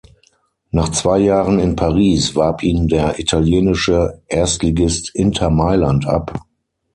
Nach zwei Jahren in Paris warb ihn der italienische Erstligist Inter Mailand ab.